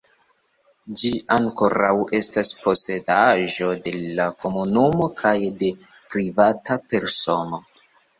Ĝi ankoraŭ estas posedaĵo de la komunumo kaj de privata persono.